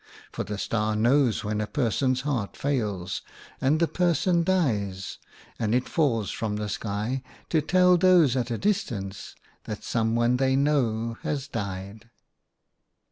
For the star knows when a person's heart fails and the person dies, and it falls from the sky to tell those at a distance that someone they know has died.